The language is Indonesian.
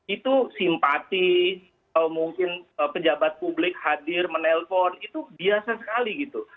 itu simpati mungkin pejabat publik hadir menelpon itu biasa sekali gitu